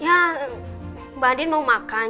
ya mbak din mau makan